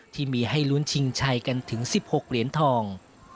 ที่มีให้ลุ้นชิงชัยกันถึง๑๖เหรียญทอง